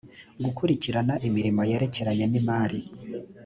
gukurikirana imirimo yerekeranye n imari